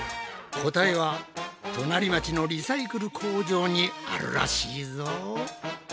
答えは隣町のリサイクル工場にあるらしいぞ。